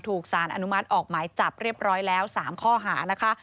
สารอนุมัติออกหมายจับเรียบร้อยแล้ว๓ข้อหานะคะ